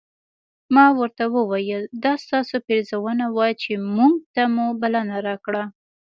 ما ورته وویل دا ستاسو پیرزوینه وه چې موږ ته مو بلنه راکړله.